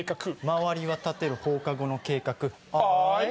周りは立てる放課後の計画アイ！